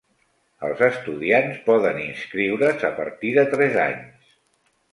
Els estudiants poden inscriure's a partir de tres anys.